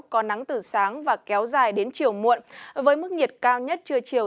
có nắng từ sáng và kéo dài đến chiều muộn với mức nhiệt cao nhất trưa chiều